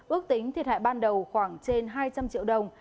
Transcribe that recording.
ước tính thiệt hại ban đầu khoảng trên hai trăm linh triệu đồng